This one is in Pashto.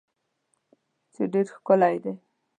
چې ډیر ښکلی دی